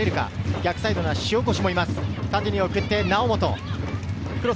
逆サイドに塩越がいます。